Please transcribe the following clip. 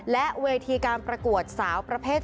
และเวทีการประกวดสาวประเภท๒